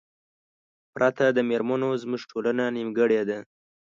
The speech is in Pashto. پرته د میرمنو زمونږ ټولنه نیمګړې ده